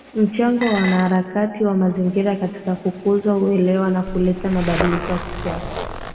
Mchango wa wanaharakati wa mazingira katika kukuza uelewa na kuleta mabadiliko ya kisiasa